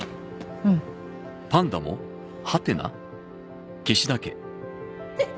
うんえっ？